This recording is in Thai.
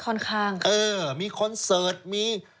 ค่อนข้างค่ะมีคอนเสิร์ทมี